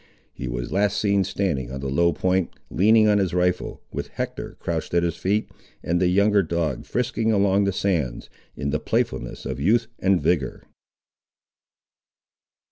He was last seen standing on the low point, leaning on his rifle, with Hector crouched at his feet, and the younger dog frisking along the sands, in the playfulness of youth and vigour.